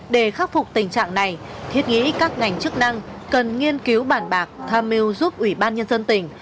để khắc phục tình trạng này thiết nghĩ các ngành chức năng cần nghiên cứu bản bạc tham mưu giúp ủy ban nhân dân tỉnh